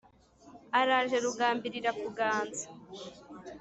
Araje Rugambirira kuganza